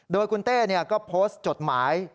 โดยคุณเต้ก็โพสต์จดหมาย